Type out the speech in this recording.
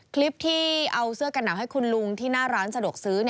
คลิปที่เอาเสื้อกันหนาวให้คุณลุงที่หน้าร้านสะดวกซื้อ